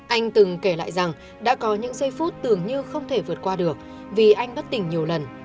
anh từng kể lại rằng đã có những giây phút tưởng như không thể vượt qua được vì anh bất tỉnh nhiều lần